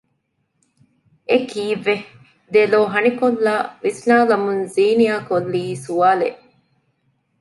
އެކީއްވެ؟ ދެލޯ ހަނިކޮއްލާ ވިސްނާލަމުން ޒީނިޔާ ކޮއްލީ ސުވާލެއް